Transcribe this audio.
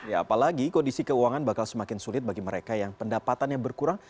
ya apalagi kondisi keuangan bakal semakin sulit bagi mereka yang pendapatannya berkurang